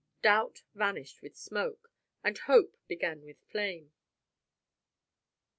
Doubt vanished with smoke, and hope began with flame.